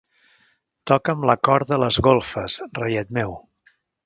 Toca'm la corda a les golfes, reiet meu.